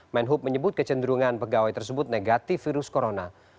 menhub menyebut kecenderungan pegawai tersebut negatif virus corona